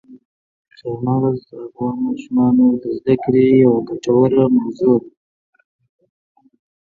چار مغز د افغان ماشومانو د زده کړې یوه ګټوره موضوع ده.